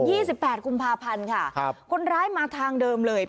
ี่สิบแปดกุมภาพันธ์ค่ะครับคนร้ายมาทางเดิมเลย